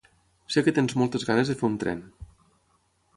Sé que tens moltes ganes de fer un tren.